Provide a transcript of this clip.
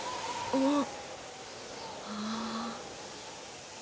あっ。